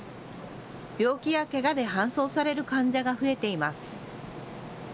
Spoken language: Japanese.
病気やけがで搬送される患者が増えています。